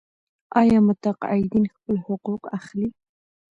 آیا متقاعدین خپل حقوق اخلي؟